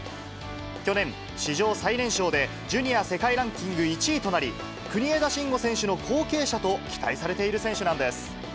去年、史上最年少でジュニア世界ランキング１位となり、国枝慎吾選手の後継者と期待されている選手なんです。